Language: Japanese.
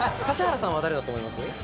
指原さんは誰だと思います？